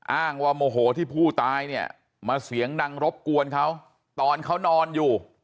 อ้างว่าโมโหที่ผู้ตายเนี่ยมาเสียงดังรบกวนเขาตอนเขานอนอยู่